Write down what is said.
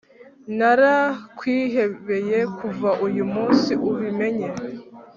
Narakwihebeye kuva uyu munsi ubimenye